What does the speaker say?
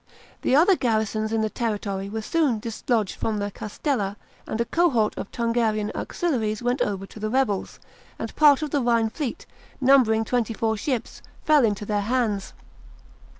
The other garrisons in the territory were soon dislodged from their castdla, and a cohort of Tungrian auxiliaries went over to the rebels; and part of the Hhine fleet, numbering twenty four ships, fell into their hands.